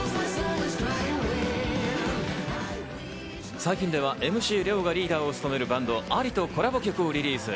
最近ではＭＣ・ＬＥＯがリーダーを務めるバンド・ＡＬＩとコラボ曲をリリース。